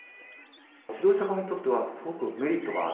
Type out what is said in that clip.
指導者側にとってはすごいメリットがある。